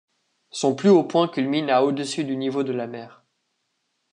Son plus haut point culmine à au-dessus du niveau de la mer.